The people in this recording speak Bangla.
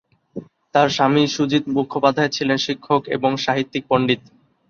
তার স্বামী সুজিত মুখোপাধ্যায় ছিলেন শিক্ষক এবং সাহিত্যিক পণ্ডিত।